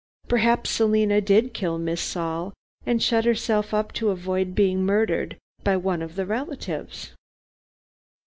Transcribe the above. "Perhaps Selina did kill Miss Saul, and shut herself up to avoid being murdered by one of the relatives.